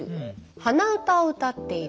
「鼻歌を歌っている」